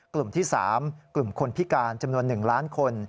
กลุ่มที่๓กลุ่มคนพิการจำนวน๑ล้านคน